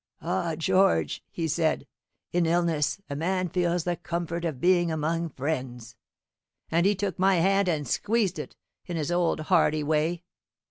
'Ah, George,' he said, 'in illness a man feels the comfort of being among friends!' And he took my hand and squeezed it, in his old hearty way.